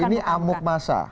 ini amuk masa